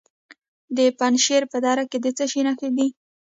د پنجشیر په دره کې د څه شي نښې دي؟